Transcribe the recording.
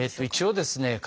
一応ですね